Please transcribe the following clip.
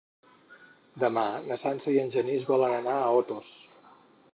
Demà na Sança i en Genís volen anar a Otos.